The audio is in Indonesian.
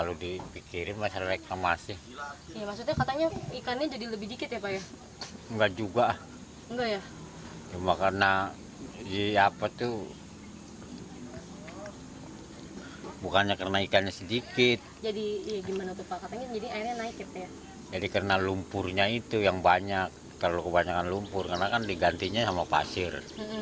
lumpurnya itu yang banyak kalau kebanyakan lumpur karena kan digantinya sama pasir